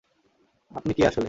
আপনি কে আসলে?